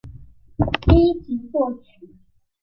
一级作曲。